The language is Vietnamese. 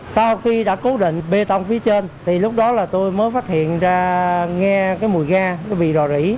sau khi đã cố định bê tông phía trên thì lúc đó là tôi mới phát hiện ra nghe cái mùi ga cái vị rò rỉ